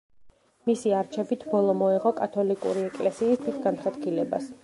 მისი არჩევით ბოლო მოეღო კათოლიკური ეკლესიის დიდ განხეთქილებას.